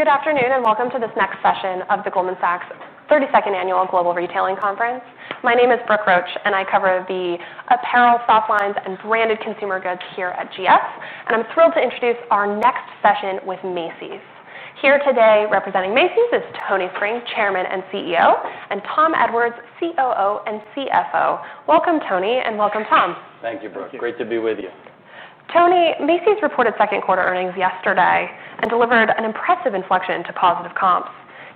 Good afternoon and welcome to this next session of the Goldman Sachs 32nd Annual Global Retailing Conference. My name is Brooke Roach, and I cover the apparel, soft lines, and branded consumer goods here at GS. I'm thrilled to introduce our next session with Macy's. Here today representing Macy's is Tony Spring, Chairman and CEO, and Tom Edwards, COO and CFO. Welcome, Tony, and welcome, Tom. Thank you, Brooke. Great to be with you. Tony, Macy's reported second quarter earnings yesterday and delivered an impressive inflection to positive comps.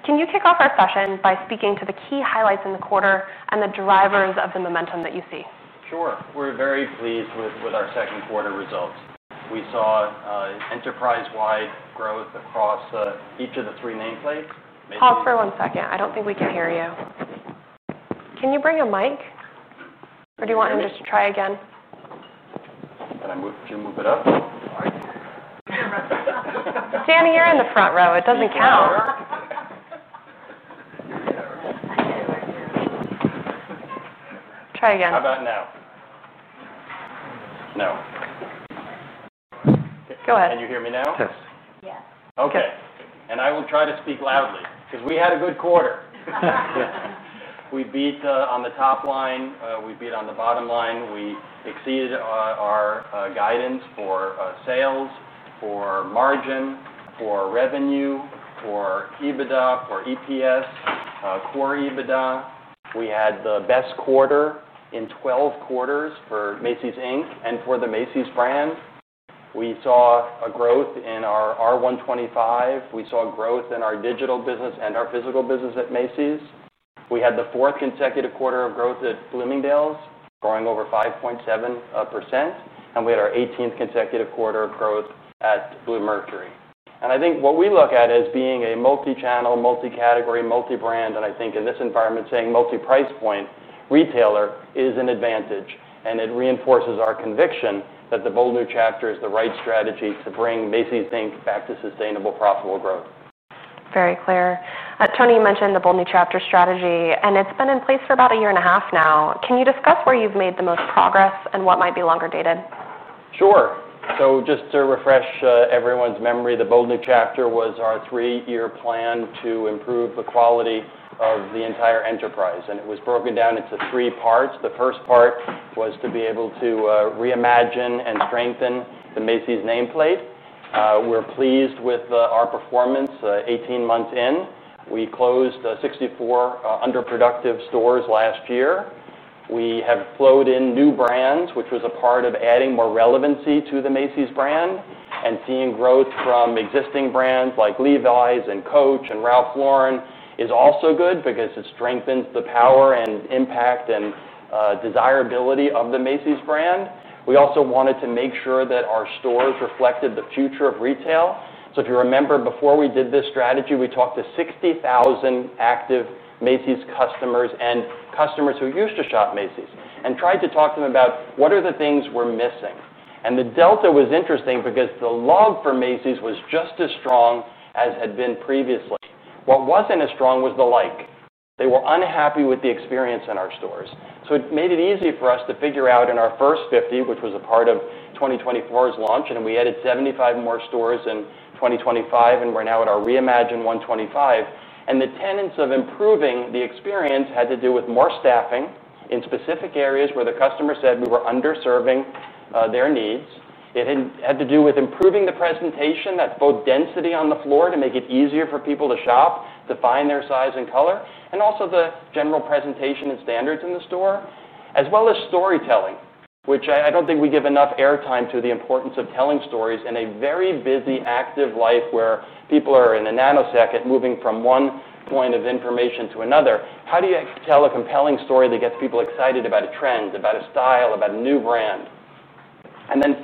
Can you kick off our session by speaking to the key highlights in the quarter and the drivers of the momentum that you see? Sure. We're very pleased with our second quarter results. We saw enterprise-wide growth across each of the three nameplates. Pause for one second. I don't think we can hear you. Can you bring a mic? Or do you want him just to try again? Can I move it up? Danny, you're in the front row. It doesn't count. Try again. How about now? No. Go ahead. Can you hear me now? Yes. Okay. I will try to speak loudly because we had a good quarter. We beat on the top line. We beat on the bottom line. We exceeded our guidance for sales, for margin, for revenue, for EBITDA, for EPS, quarterly EBITDA. We had the best quarter in 12 quarters for Macy's Inc. and for the Macy's brand. We saw a growth in our R 125. We saw growth in our digital business and our physical business at Macy's. We had the fourth consecutive quarter of growth at Bloomingdale's, growing over 5.7%. We had our 18th consecutive quarter of growth at Bluemercury. I think what we look at as being a multi-channel, multi-category, multi-brand, and I think in this environment, saying multi-price point retailer is an advantage. It reinforces our conviction that the Bold New Chapter is the right strategy to bring Macy's Inc. back to sustainable profitable growth. Very clear. Tony, you mentioned the Bold New Chapter strategy, and it's been in place for about a year and a half now. Can you discuss where you've made the most progress and what might be longer dated? Sure. Just to refresh everyone's memory, the Bold New Chapter was our three-year plan to improve the quality of the entire enterprise. It was broken down into three parts. The first part was to be able to reimagine and strengthen the Macy's nameplate. We're pleased with our performance 18 months in. We closed 64 underproductive stores last year. We have flowed in new brands, which was a part of adding more relevancy to the Macy's brand. Seeing growth from existing brands like Levi's and Coach and Ralph Lauren is also good because it strengthens the power and impact and desirability of the Macy's brand. We also wanted to make sure that our stores reflected the future of retail. If you remember, before we did this strategy, we talked to 60,000 active Macy's customers and customers who used to shop Macy's and tried to talk to them about what are the things we're missing. The delta was interesting because the love for Macy's was just as strong as had been previously. What wasn't as strong was the like. They were unhappy with the experience in our stores. It made it easy for us to figure out in our first 50, which was a part of 2024's launch, and we added 75 more stores in 2025, and we're now at our Reimagined 125. The tenets of improving the experience had to do with more staffing in specific areas where the customer said we were underserving their needs. It had to do with improving the presentation, that's both density on the floor to make it easier for people to shop, to find their size and color, and also the general presentation and standards in the store, as well as storytelling, which I don't think we give enough airtime to the importance of telling stories in a very busy, active life where people are in a nanosecond moving from one point of information to another. How do you tell a compelling story that gets people excited about a trend, about a style, about a new brand?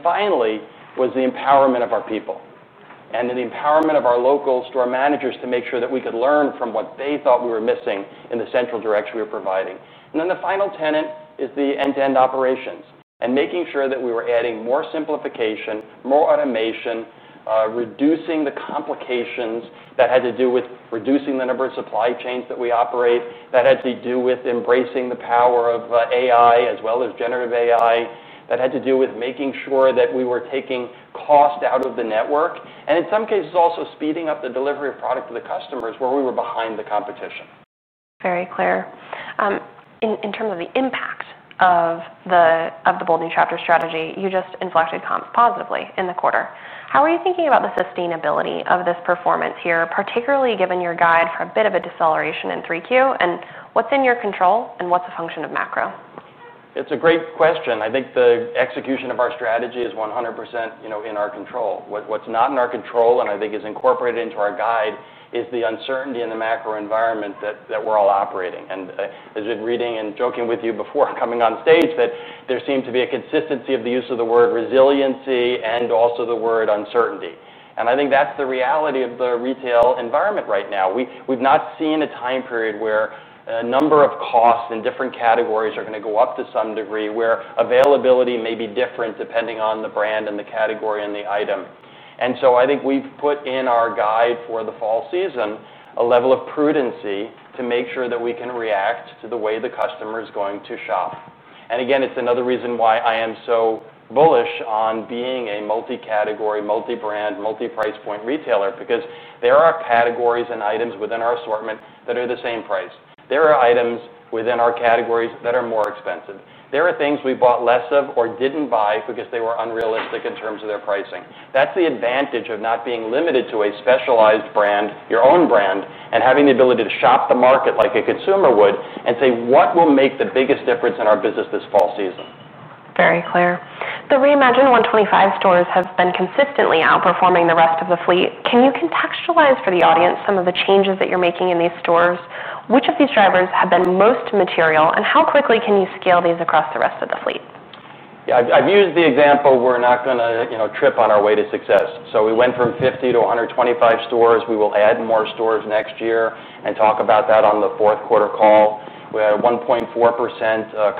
Finally, was the empowerment of our people and the empowerment of our local store managers to make sure that we could learn from what they thought we were missing in the central direction we were providing. The final tenet is the end-to-end operations and making sure that we were adding more simplification, more automation, reducing the complications that had to do with reducing the number of supply chains that we operate, that had to do with embracing the power of AI as well as generative AI, that had to do with making sure that we were taking cost out of the network, and in some cases also speeding up the delivery of product to the customers where we were behind the competition. Very clear. In terms of the impact of the A Bold New Chapter strategy, you just inflected comps positively in the quarter. How are you thinking about the sustainability of this performance here, particularly given your guide for a bit of a deceleration in 3Q and what's in your control and what's a function of macro? It's a great question. I think the execution of our strategy is 100% in our control. What's not in our control, and I think is incorporated into our guide, is the uncertainty in the macro environment that we're all operating in. I was reading and joking with you before coming on stage that there seemed to be a consistency of the use of the word resiliency and also the word uncertainty. I think that's the reality of the retail environment right now. We've not seen a time period where a number of costs in different categories are going to go up to some degree, where availability may be different depending on the brand and the category and the item. I think we've put in our guide for the fall season a level of prudency to make sure that we can react to the way the customer is going to shop. It's another reason why I am so bullish on being a multi-category, multi-brand, multi-price point retailer because there are categories and items within our assortment that are the same price. There are items within our categories that are more expensive. There are things we bought less of or didn't buy because they were unrealistic in terms of their pricing. That's the advantage of not being limited to a specialized brand, your own brand, and having the ability to shop the market like a consumer would and say what will make the biggest difference in our business this fall season. Very clear. The Reimagined 125 stores have been consistently outperforming the rest of the fleet. Can you contextualize for the audience some of the changes that you're making in these stores? Which of these drivers have been most material, and how quickly can you scale these across the rest of the fleet? Yeah, I've used the example we're not going to trip on our way to success. We went from 50 to 125 stores. We will add more stores next year and talk about that on the fourth quarter call. We had a 1.4%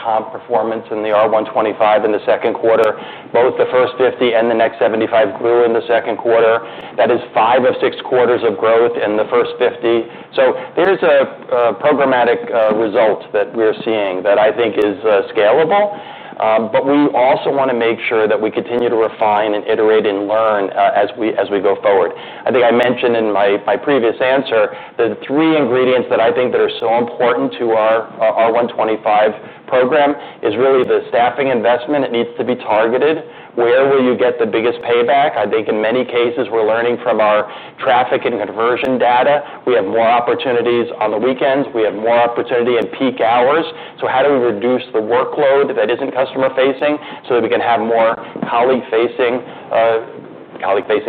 comp performance in the R 125 in the second quarter. Both the first 50 and the next 75 grew in the second quarter. That is five of six quarters of growth in the first 50. It is a programmatic result that we're seeing that I think is scalable. We also want to make sure that we continue to refine and iterate and learn as we go forward. I think I mentioned in my previous answer the three ingredients that I think are so important to our R 125 program. It is really the staffing investment. It needs to be targeted. Where will you get the biggest payback? I think in many cases we're learning from our traffic and conversion data. We have more opportunities on the weekends. We have more opportunity in peak hours. How do we reduce the workload that isn't customer-facing so that we can have more colleague-facing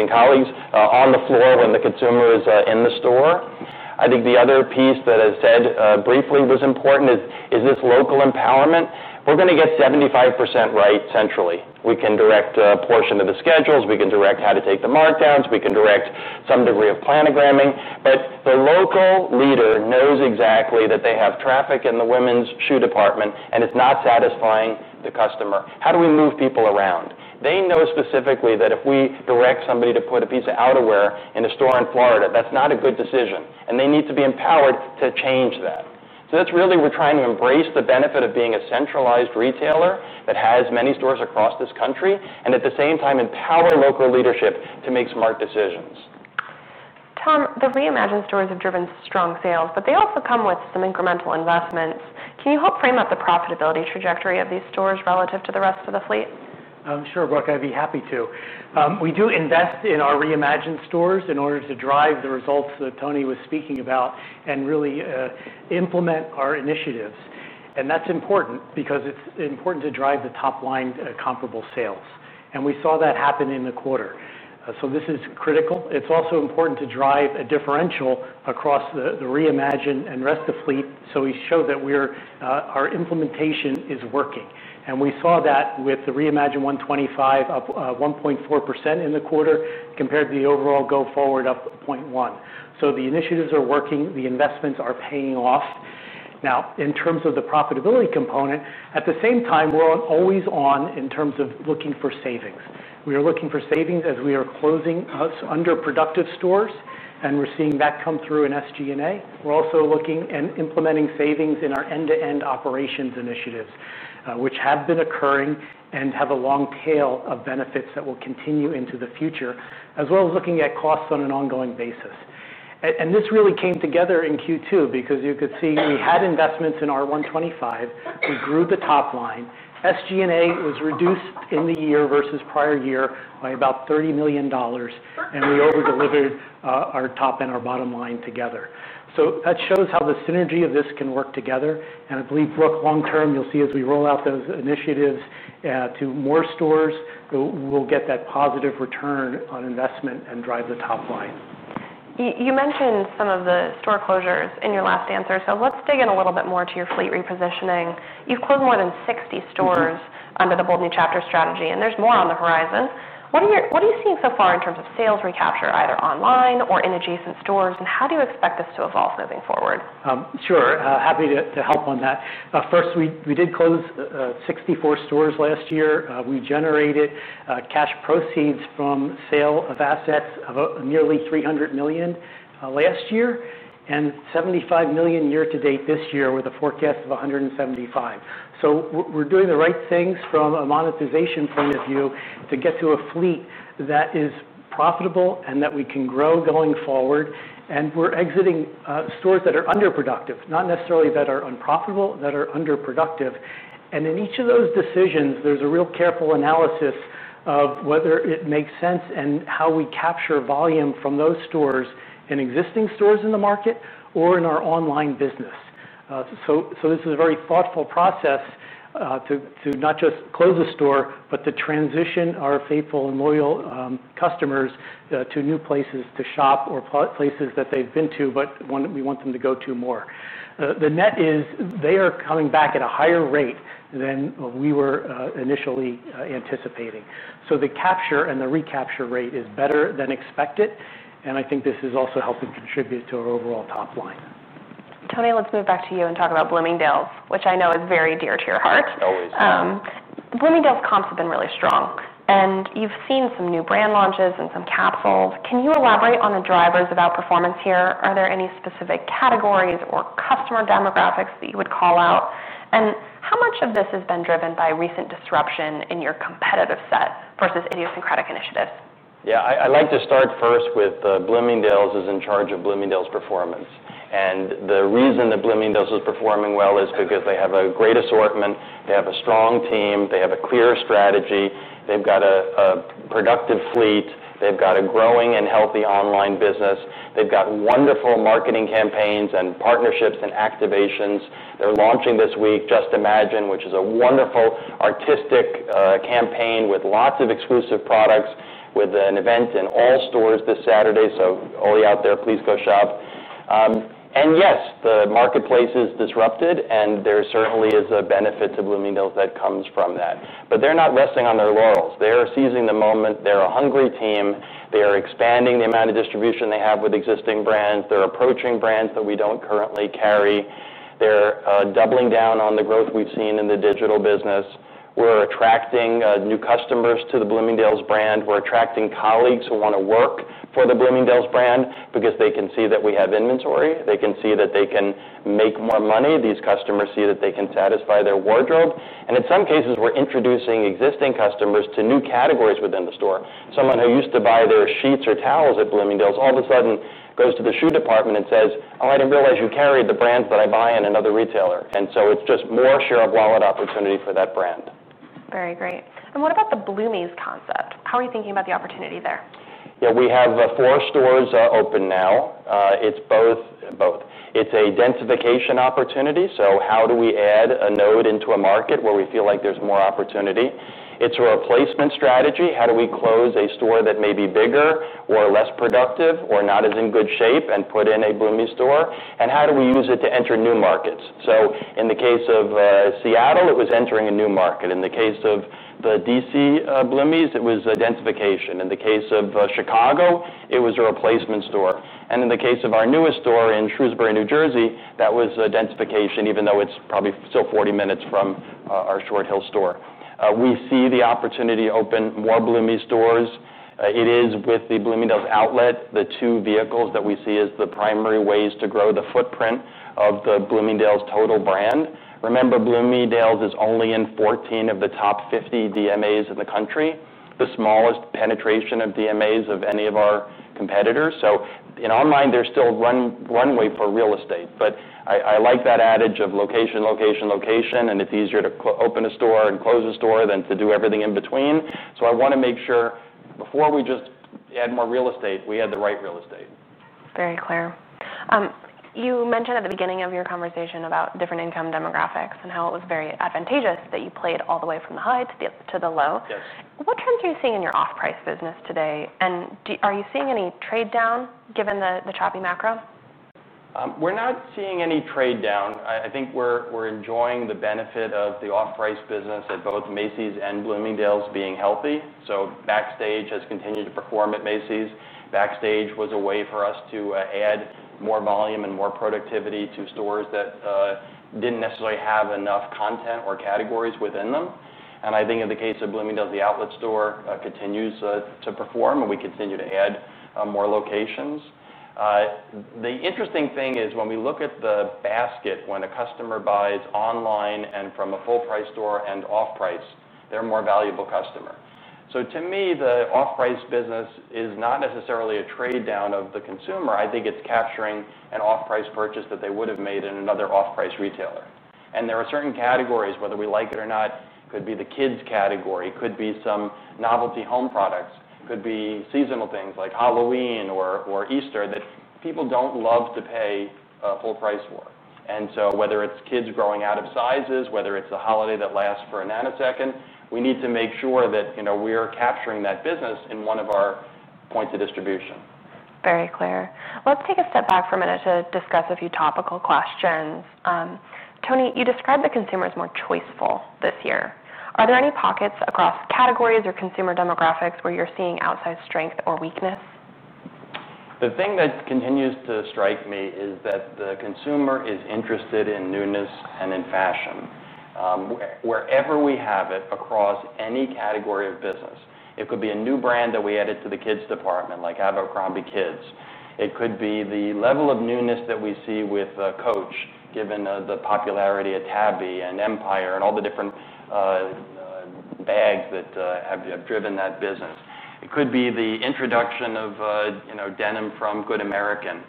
colleagues on the floor when the consumer is in the store? I think the other piece that I said briefly was important is this local empowerment. It gets 75% right centrally. We can direct a portion of the schedules. We can direct how to take the markdowns. We can direct some degree of planogramming. The local leader knows exactly that they have traffic in the women's shoe department and it's not satisfying the customer. How do we move people around? They know specifically that if we direct somebody to put a piece of outerwear in a store in Florida, that's not a good decision. They need to be empowered to change that. That is really where we're trying to embrace the benefit of being a centralized retailer that has many stores across this country and at the same time empower local leadership to make smart decisions. Tom, the Reimagined stores have driven strong sales, but they also come with some incremental investments. Can you help frame up the profitability trajectory of these stores relative to the rest of the fleet? Sure, Brooke, I'd be happy to. We do invest in our Reimagined stores in order to drive the results that Tony was speaking about and really implement our initiatives. That's important because it's important to drive the top-line comparable sales. We saw that happen in the quarter. This is critical. It's also important to drive a differential across the Reimagined and rest of the fleet so we show that our implementation is working. We saw that with the Reimagined 125 up 1.4% in the quarter compared to the overall go forward up 0.1%. The initiatives are working. The investments are paying off. In terms of the profitability component, at the same time, we're always on in terms of looking for savings. We are looking for savings as we are closing underproductive stores, and we're seeing that come through in SG&A. We're also looking and implementing savings in our end-to-end operations initiatives, which have been occurring and have a long tail of benefits that will continue into the future, as well as looking at costs on an ongoing basis. This really came together in Q2 because you could see we had investments in R 125. We grew the top line. SG&A was reduced in the year versus prior year by about $30 million, and we over-delivered our top and our bottom line together. That shows how the synergy of this can work together. I believe, Brooke, long term, you'll see as we roll out those initiatives to more stores, we'll get that positive return on investment and drive the top line. You mentioned some of the store closures in your last answer. Let's dig in a little bit more to your fleet repositioning. You've closed more than 60 stores under the Bold New Chapter strategy, and there's more on the horizon. What are you seeing so far in terms of sales recapture, either online or in adjacent stores, and how do you expect this to evolve moving forward? Sure. Happy to help on that. First, we did close 64 stores last year. We generated cash proceeds from sale of assets of nearly $300 million last year and $75 million year to date this year with a forecast of $175 million. We're doing the right things from a monetization point of view to get to a fleet that is profitable and that we can grow going forward. We're exiting stores that are underproductive, not necessarily that are unprofitable, that are underproductive. In each of those decisions, there's a real careful analysis of whether it makes sense and how we capture volume from those stores in existing stores in the market or in our online business. This is a very thoughtful process to not just close a store, but to transition our faithful and loyal customers to new places to shop or places that they've been to, but we want them to go to more. The net is they are coming back at a higher rate than we were initially anticipating. The capture and the recapture rate is better than expected. I think this is also helping contribute to our overall top line. Tony, let's move back to you and talk about Bloomingdale's, which I know is very dear to your heart. Bloomingdale's comps have been really strong. You've seen some new brand launches and some capsules. Can you elaborate on the drivers about performance here? Are there any specific categories or customer demographics that you would call out? How much of this has been driven by recent disruption in your competitive set versus idiosyncratic initiatives? Yeah, I like to start first with Bloomingdale's is in charge of Bloomingdale's performance. The reason that Bloomingdale's is performing well is because they have a great assortment, a strong team, a clear strategy, a productive fleet, and a growing and healthy online business. They've got wonderful marketing campaigns and partnerships and activations. They're launching this week, Just Imagine, which is a wonderful artistic campaign with lots of exclusive products, with an event in all stores this Saturday. All you out there, please go shop. Yes, the marketplace is disrupted, and there certainly is a benefit to Bloomingdale's that comes from that. They're not resting on their laurels. They're seizing the moment. They're a hungry team. They are expanding the amount of distribution they have with existing brands. They're approaching brands that we don't currently carry. They're doubling down on the growth we've seen in the digital business. We're attracting new customers to the Bloomingdale's brand. We're attracting colleagues who want to work for the Bloomingdale's brand because they can see that we have inventory. They can see that they can make more money. These customers see that they can satisfy their wardrobe. In some cases, we're introducing existing customers to new categories within the store. Someone who used to buy their sheets or towels at Bloomingdale's all of a sudden goes to the shoe department and says, "Oh, I didn't realize you carried the brands that I buy in another retailer." It's just more share of wallet opportunity for that brand. Very great. What about the Bloomies concept? How are you thinking about the opportunity there? Yeah, we have four stores open now. It's both. It's a densification opportunity. How do we add a node into a market where we feel like there's more opportunity? It's a replacement strategy. How do we close a store that may be bigger or less productive or not as in good shape and put in a Bloomies store? How do we use it to enter new markets? In the case of Seattle, it was entering a new market. In the case of the DC Bloomies, it was a densification. In the case of Chicago, it was a replacement store. In the case of our newest store in Shrewsbury, New Jersey, that was a densification, even though it's probably still 40 minutes from our Short Hill store. We see the opportunity to open more Bloomies stores. It is with the Bloomingdale's Outlet, the two vehicles that we see as the primary ways to grow the footprint of the Bloomingdale's total brand. Remember, Bloomingdale's is only in 14 of the top 50 DMAs in the country, the smallest penetration of DMAs of any of our competitors. In our mind, there's still runway for real estate. I like that adage of location, location, location, and it's easier to open a store and close a store than to do everything in between. I want to make sure before we just add more real estate, we add the right real estate. Very clear. You mentioned at the beginning of your conversation about different income demographics, and how it was very advantageous that you played all the way from the high to the low. Yes. What trends are you seeing in your off-price business today? Are you seeing any trade down given the choppy macro? We're not seeing any trade down. I think we're enjoying the benefit of the off-price business at both Macy's and Bloomingdale's being healthy. Backstage has continued to perform at Macy's. Backstage was a way for us to add more volume and more productivity to stores that didn't necessarily have enough content or categories within them. In the case of Bloomingdale's, the outlet store continues to perform, and we continue to add more locations. The interesting thing is when we look at the basket, when a customer buys online and from a full-price store and off-price, they're a more valuable customer. To me, the off-price business is not necessarily a trade down of the consumer. I think it's capturing an off-price purchase that they would have made in another off-price retailer. There are certain categories, whether we like it or not, could be the Kids' category, could be some novelty home products, could be seasonal things like Halloween or Easter that people don't love to pay full price for. Whether it's kids growing out of sizes or a holiday that lasts for a nanosecond, we need to make sure that we are capturing that business in one of our points of distribution. Very clear. Let's take a step back for a minute to discuss a few topical questions. Tony, you described the consumer as more choiceful this year. Are there any pockets across categories or consumer demographics where you're seeing outside strength or weakness? The thing that continues to strike me is that the consumer is interested in newness and in fashion. Wherever we have it across any category of business, it could be a new brand that we added to the Kids' department, like Abercrombie Kids. It could be the level of newness that we see with Coach, given the popularity of Tabby and Empire and all the different bags that have driven that business. It could be the introduction of denim from Good American.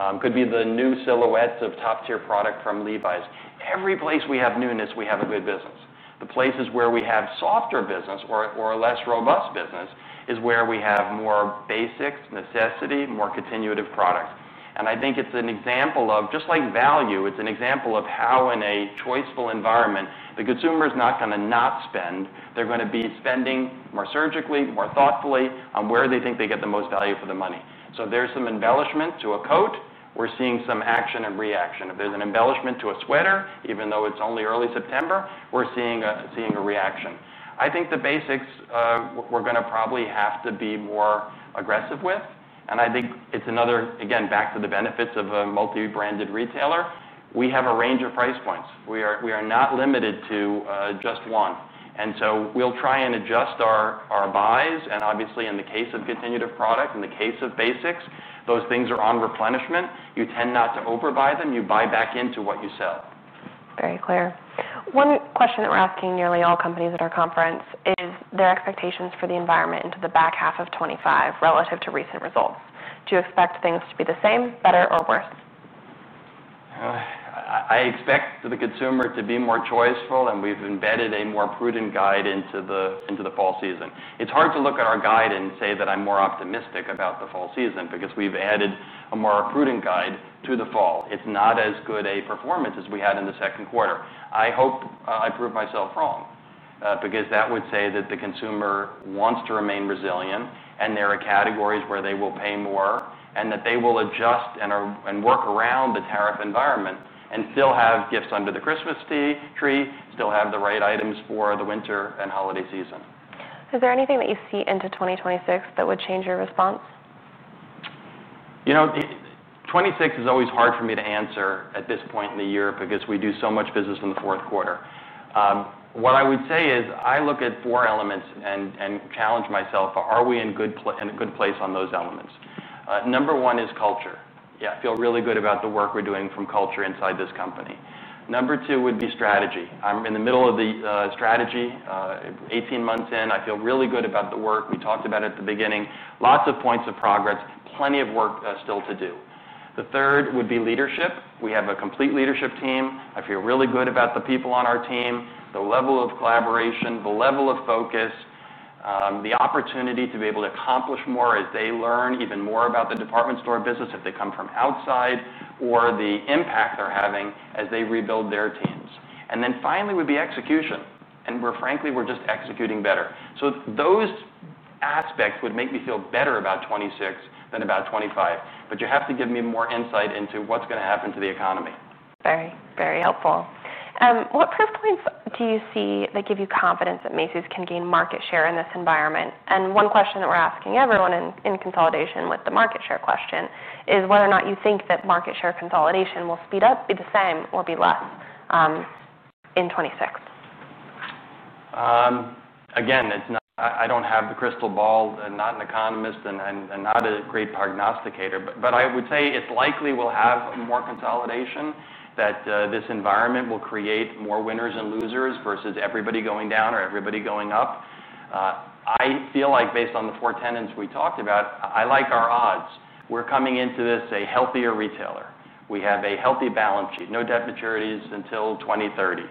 It could be the new silhouettes of top-tier products from Levi's. Every place we have newness, we have a good business. The places where we have softer business or a less robust business is where we have more basics, necessity, more continuative products. I think it's an example of, just like value, it's an example of how in a choiceful environment, the consumer is not going to not spend. They're going to be spending more surgically, more thoughtfully on where they think they get the most value for the money. There's some embellishment to a coat. We're seeing some action and reaction. If there's an embellishment to a sweater, even though it's only early September, we're seeing a reaction. I think the basics we're going to probably have to be more aggressive with. I think it's another, again, back to the benefits of a multi-branded retailer. We have a range of price points. We are not limited to just one. We'll try and adjust our buys. Obviously, in the case of continuative product, in the case of basics, those things are on replenishment. You tend not to overbuy them. You buy back into what you sell. Very clear. One question that we're asking nearly all companies at our conference is their expectations for the environment into the back half of 2025 relative to recent results. Do you expect things to be the same, better, or worse? I expect the consumer to be more choiceful, and we've embedded a more prudent guide into the fall season. It's hard to look at our guide and say that I'm more optimistic about the fall season because we've added a more prudent guide to the fall. It's not as good a performance as we had in the second quarter. I hope I prove myself wrong because that would say that the consumer wants to remain resilient, and there are categories where they will pay more, and that they will adjust and work around the tariff environment and still have gifts under the Christmas tree, still have the right items for the winter and holiday season. Is there anything that you see into 2026 that would change your response? 2026 is always hard for me to answer at this point in the year because we do so much business in the fourth quarter. What I would say is I look at four elements and challenge myself. Are we in a good place on those elements? Number one is culture. Yeah, I feel really good about the work we're doing from culture inside this company. Number two would be strategy. I'm in the middle of the strategy, 18 months in. I feel really good about the work. We talked about it at the beginning. Lots of points of progress, plenty of work still to do. The third would be leadership. We have a complete leadership team. I feel really good about the people on our team, the level of collaboration, the level of focus, the opportunity to be able to accomplish more as they learn even more about the department store business if they come from outside or the impact they're having as they rebuild their teams. Finally, execution. Frankly, we're just executing better. Those aspects would make me feel better about 2026 than about 2025. You have to give me more insight into what's going to happen to the economy. Very, very helpful. What proof points do you see that give you confidence that Macy's can gain market share in this environment? One question that we're asking everyone in consolidation with the market share question is whether or not you think that market share consolidation will speed up, be the same, or be less in 2026. Again, I don't have the crystal ball. I'm not an economist and not a great prognosticator. I would say it likely will have more consolidation, that this environment will create more winners and losers versus everybody going down or everybody going up. I feel like based on the four tenets we talked about, I like our odds. We're coming into this a healthier retailer. We have a healthy balance sheet, no debt maturities until 2030,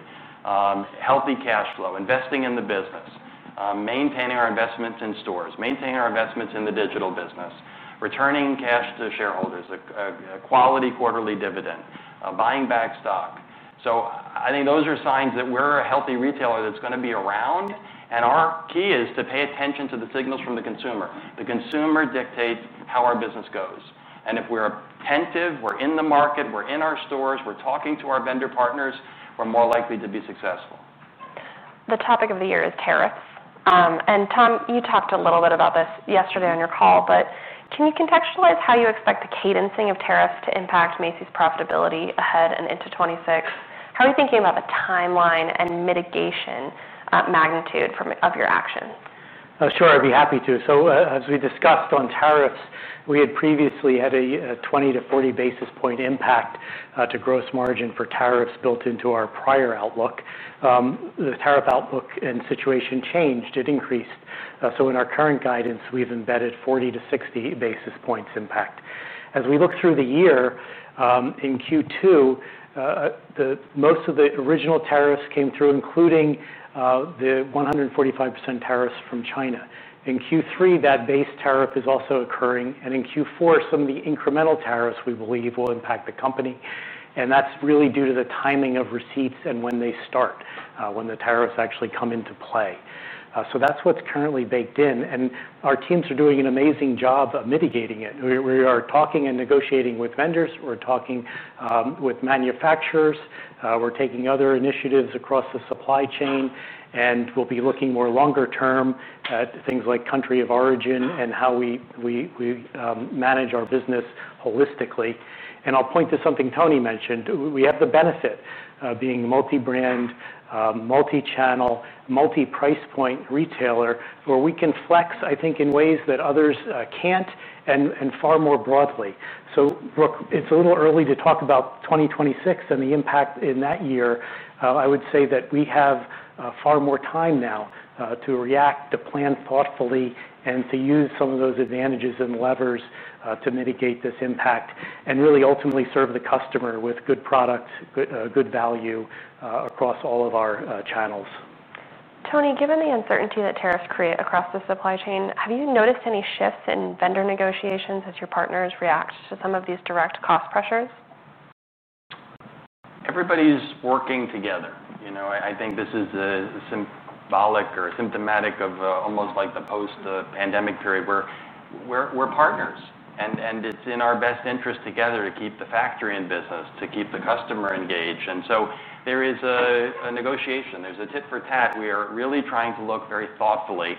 healthy cash flow, investing in the business, maintaining our investments in stores, maintaining our investments in the digital business, returning cash to shareholders, a quality quarterly dividend, buying back stock. I think those are signs that we're a healthy retailer that's going to be around. Our key is to pay attention to the signals from the consumer. The consumer dictates how our business goes. If we're attentive, we're in the market, we're in our stores, we're talking to our vendor partners, we're more likely to be successful. The topic of the year is tariffs. Tom, you talked a little bit about this yesterday on your call, but can you contextualize how you expect the cadencing of tariffs to impact Macy's profitability ahead and into 2026? How are you thinking about the timeline and mitigation magnitude of your action? Oh, sure. I'd be happy to. As we discussed on tariffs, we had previously had a 20 basis poin t- 40 basis point impact to gross margin for tariffs built into our prior outlook. The tariff outlook and situation changed. It increased. In our current guidance, we've embedded 40 basis points- 60 basis points impact. As we look through the year, in Q2, most of the original tariffs came through, including the 145% tariffs from China. In Q3, that base tariff is also occurring. In Q4, some of the incremental tariffs we believe will impact the company. That's really due to the timing of receipts and when they start, when the tariffs actually come into play. That's what's currently baked in. Our teams are doing an amazing job of mitigating it. We are talking and negotiating with vendors. We're talking with manufacturers. We're taking other initiatives across the supply chain. We'll be looking more longer term at things like country of origin and how we manage our business holistically. I'll point to something Tony mentioned. We have the benefit of being a multi-brand, multi-channel, multi-price point retailer where we can flex, I think, in ways that others can't and far more broadly. Brooke, it's a little early to talk about 2026 and the impact in that year. I would say that we have far more time now to react, to plan thoughtfully, and to use some of those advantages and levers to mitigate this impact and really ultimately serve the customer with good products, good value across all of our channels. Tony, given the uncertainty that tariffs create across the supply chain, have you noticed any shifts in vendor negotiations as your partners react to some of these direct cost pressures? Everybody's working together. I think this is symbolic or symptomatic of almost like the post-pandemic period where we're partners. It's in our best interest together to keep the factory in business, to keep the customer engaged. There is a negotiation. There's a tit for tat. We are really trying to look very thoughtfully.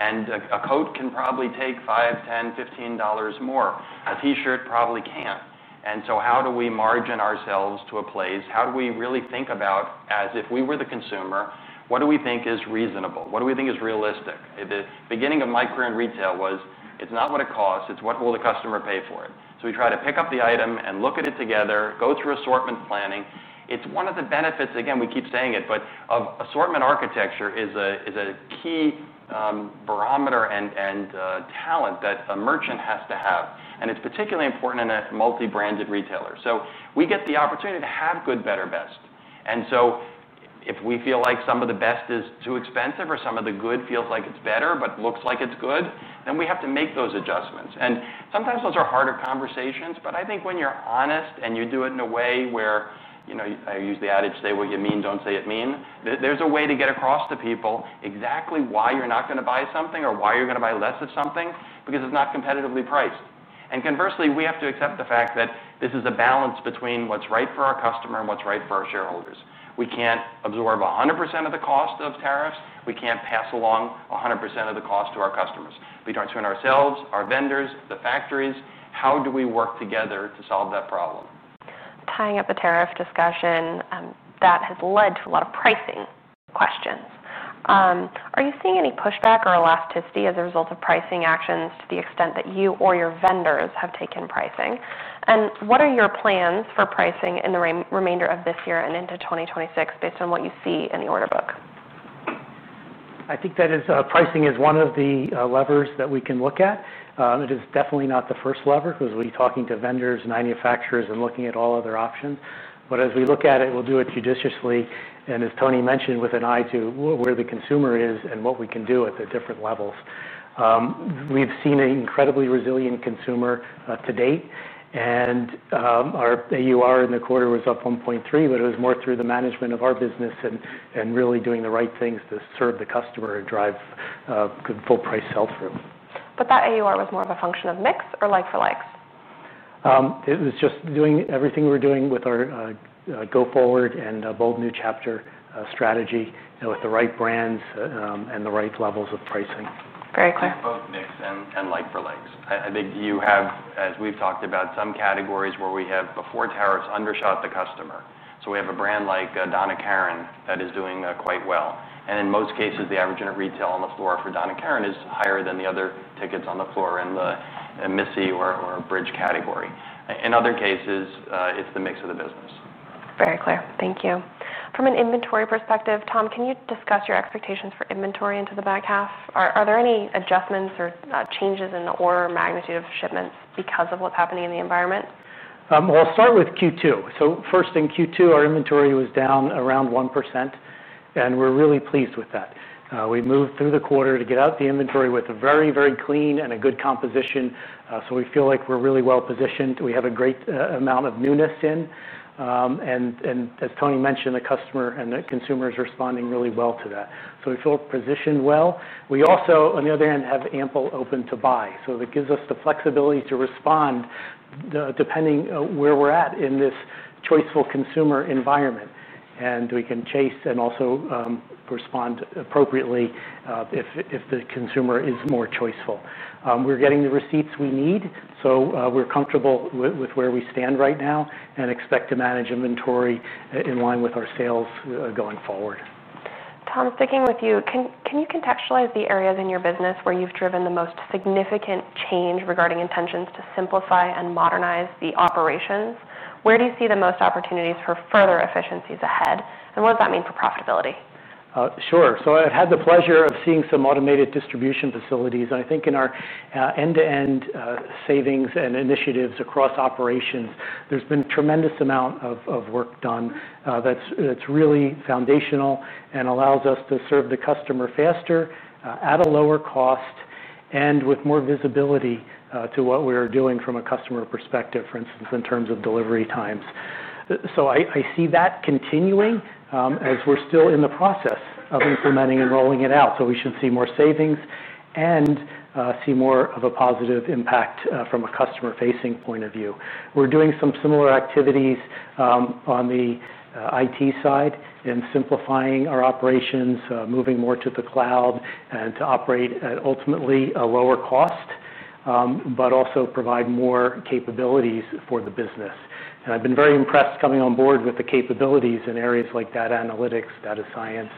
A coat can probably take $5, $10, $15 more. A T-shirt probably can. How do we margin ourselves to a place? How do we really think about, as if we were the consumer, what do we think is reasonable? What do we think is realistic? The beginning of micro and retail was it's not what it costs. It's what will the customer pay for it? We try to pick up the item and look at it together, go through assortment planning. It's one of the benefits, again, we keep saying it, but of assortment architecture is a key barometer and talent that a merchant has to have. It's particularly important in a multi-branded retailer. We get the opportunity to have good, better, best. If we feel like some of the best is too expensive or some of the good feels like it's better but looks like it's good, then we have to make those adjustments. Sometimes those are harder conversations. I think when you're honest and you do it in a way where, you know, I use the adage, say what you mean, don't say it mean. There's a way to get across to people exactly why you're not going to buy something or why you're going to buy less of something because it's not competitively priced. Conversely, we have to accept the fact that this is a balance between what's right for our customer and what's right for our shareholders. We can't absorb 100% of the cost of tariffs. We can't pass along 100% of the cost to our customers. We don't have to swing ourselves, our vendors, the factories. How do we work together to solve that problem? Tying up the tariff discussion that has led to a lot of pricing questions. Are you seeing any pushback or elasticity as a result of pricing actions to the extent that you or your vendors have taken pricing? What are your plans for pricing in the remainder of this year and into 2026 based on what you see in the order book? I think that pricing is one of the levers that we can look at. It is definitely not the first lever because we're talking to vendors, manufacturers, and looking at all other options. As we look at it, we'll do it judiciously. As Tony mentioned, with an eye to where the consumer is and what we can do at the different levels. We've seen an incredibly resilient consumer to date, and our AUR in the quarter was up 1.3%, but it was more through the management of our business and really doing the right things to serve the customer and drive good full-price sell-through. That AUR was more of a function of mix or like for likes. It was just doing everything we were doing with our go forward and A Bold New Chapter strategy with the right brands and the right levels of pricing. Very clear. Both mix and like for likes. I think you have, as we've talked about, some categories where we have before tariffs undershot the customer. We have a brand like Donna Karan that is doing quite well. In most cases, the average in a retail on the floor for Donna Karan is higher than the other tickets on the floor in the Missy or Bridge category. In other cases, it's the mix of the business. Very clear. Thank you. From an inventory perspective, Tom, can you discuss your expectations for inventory into the back half? Are there any adjustments or changes in the order or magnitude of shipments because of what's happening in the environment? In Q2, our inventory was down around 1%. We're really pleased with that. We moved through the quarter to get out the inventory with a very, very clean and a good composition. We feel like we're really well positioned. We have a great amount of newness in. As Tony mentioned, the customer and the consumer is responding really well to that. We feel positioned well. We also, on the other hand, have ample open to buy. That gives us the flexibility to respond depending on where we're at in this choiceful consumer environment. We can chase and also respond appropriately if the consumer is more choiceful. We're getting the receipts we need. We're comfortable with where we stand right now and expect to manage inventory in line with our sales going forward. Tom, sticking with you, can you contextualize the areas in your business where you've driven the most significant change regarding intentions to simplify and modernize the operations? Where do you see the most opportunities for further efficiencies ahead? What does that mean for profitability? Sure. I've had the pleasure of seeing some automated distribution facilities. In our end-to-end savings and initiatives across operations, there's been a tremendous amount of work done that's really foundational and allows us to serve the customer faster, at a lower cost, and with more visibility to what we're doing from a customer perspective, for instance, in terms of delivery times. I see that continuing as we're still in the process of implementing and rolling it out. We should see more savings and see more of a positive impact from a customer-facing point of view. We're doing some similar activities on the IT side and simplifying our operations, moving more to the cloud to operate at ultimately a lower cost, but also provide more capabilities for the business. I've been very impressed coming on board with the capabilities in areas like data analytics, data science,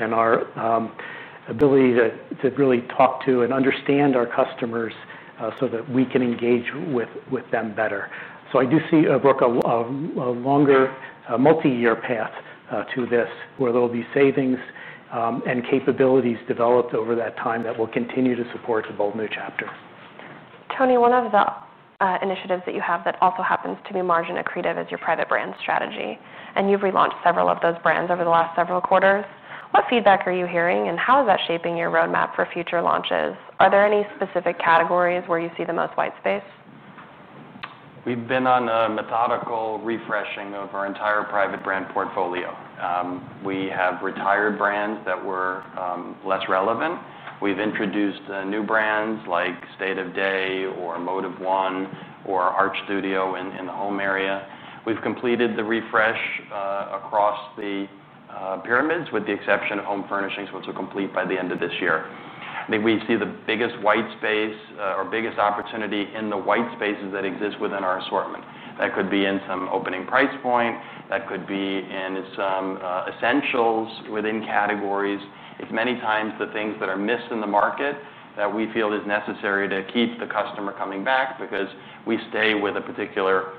and our ability to really talk to and understand our customers so that we can engage with them better. I do see, Brooke, a longer multi-year path to this where there will be savings and capabilities developed over that time that will continue to support the Bold New Chapter. Tony, one of the initiatives that you have that also happens to be margin accretive is your private brand strategy. You've relaunched several of those brands over the last several quarters. What feedback are you hearing, and how is that shaping your roadmap for future launches? Are there any specific categories where you see the most white space? We've been on a methodical refreshing of our entire private brand portfolio. We have retired brands that were less relevant. We've introduced new brands like State of Day or Mode of One or Art Studio in the home area. We've completed the refresh across the pyramids with the exception of home furnishings, which will complete by the end of this year. I think we see the biggest white space or biggest opportunity in the white spaces that exist within our assortment. That could be in some opening price point. That could be in some essentials within categories. It's many times the things that are missed in the market that we feel is necessary to keep the customer coming back because we stay with a particular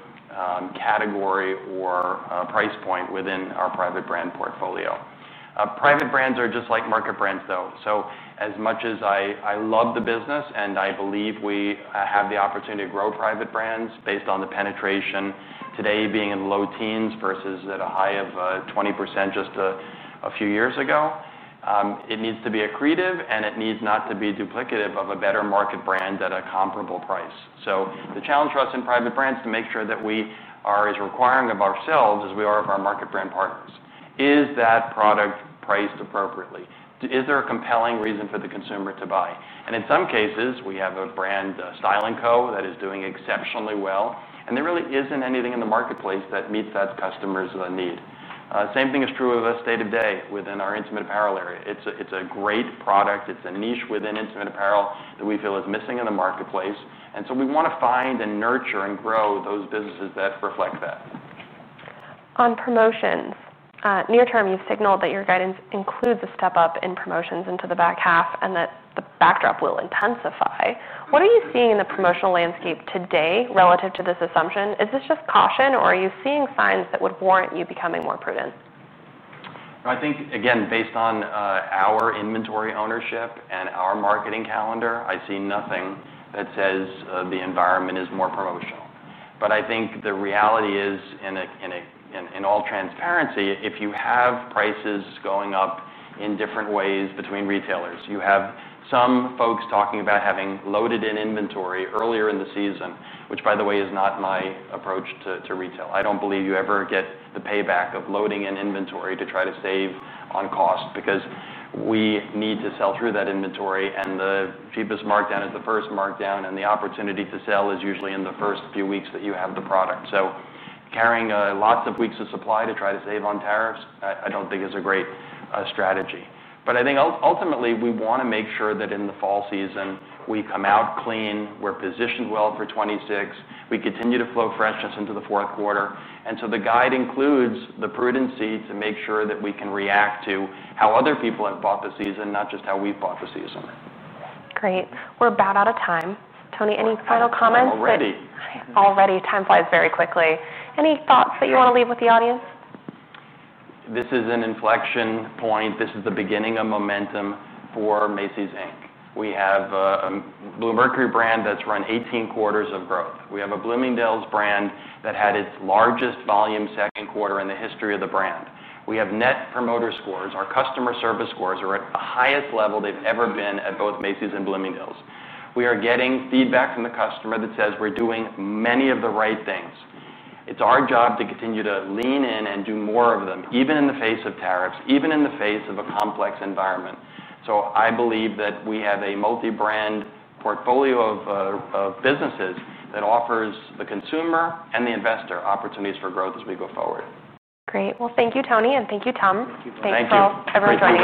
category or price point within our private brand portfolio. Private brands are just like market brands, though. As much as I love the business and I believe we have the opportunity to grow private brands based on the penetration today being in the low teens versus at a high of 20% just a few years ago, it needs to be accretive and it needs not to be duplicative of a better market brand at a comparable price. The challenge for us in private brands is to make sure that we are as requiring of ourselves as we are of our market brand partners. Is that product priced appropriately? Is there a compelling reason for the consumer to buy? In some cases, we have a brand styling code that is doing exceptionally well. There really isn't anything in the marketplace that meets that customer's need. The same thing is true of a State of Day within our intimate apparel area. It's a great product. It's a niche within intimate apparel that we feel is missing in the marketplace. We want to find and nurture and grow those businesses that reflect that. On promotions, near term, you've signaled that your guidance includes a step up in promotions into the back half, and that the backdrop will intensify. What are you seeing in the promotional landscape today relative to this assumption? Is this just caution, or are you seeing signs that would warrant you becoming more prudent? I think, again, based on our inventory ownership and our marketing calendar, I see nothing that says the environment is more promotional. I think the reality is, in all transparency, if you have prices going up in different ways between retailers, you have some folks talking about having loaded in inventory earlier in the season, which, by the way, is not my approach to retail. I don't believe you ever get the payback of loading in inventory to try to save on cost because we need to sell through that inventory. The cheapest markdown is the first markdown, and the opportunity to sell is usually in the first few weeks that you have the product. Carrying lots of weeks of supply to try to save on tariffs, I don't think is a great strategy. I think ultimately, we want to make sure that in the fall season, we come out clean. We're positioned well for 2026. We continue to flow freshness into the fourth quarter, and the guide includes the prudency to make sure that we can react to how other people have bought the season, not just how we've bought the season. Great. We're about out of time. Tony, any final comments? Already. Already. Time flies very quickly. Any thoughts that you want to leave with the audience? This is an inflection point. This is the beginning of momentum for Macy's Inc. We have a Bluemercury brand that's run 18 quarters of growth. We have a Bloomingdale's brand that had its largest volume second quarter in the history of the brand. We have net promoter scores. Our customer service scores are at the highest level they've ever been at both Macy's and Bloomingdale's. We are getting feedback from the customer that says we're doing many of the right things. It's our job to continue to lean in and do more of them, even in the face of tariffs, even in the face of a complex environment. I believe that we have a multi-brand portfolio of businesses that offers the consumer and the investor opportunities for growth as we go forward. Great. Thank you, Tony, and thank you, Tom. Thank you. Thank you. Have a great day.